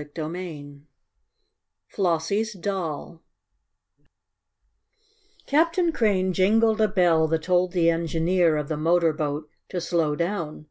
CHAPTER XIII FLOSSIE'S DOLL Captain Crane jingled a bell that told the engineer of the motor boat to slow down.